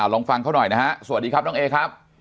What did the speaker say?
ลองฟังเขาหน่อยนะฮะสวัสดีครับน้องเอครับ